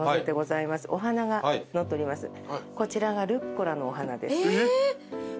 こちらがルッコラのお花です。え！